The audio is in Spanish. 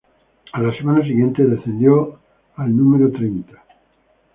A la semana siguiente, descendió a la número treinta.